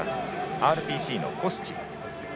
ＲＰＣのコスチン。